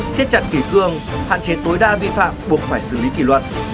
xét chặt kỷ cương hạn chế tối đa vi phạm buộc phải xử lý kỷ luật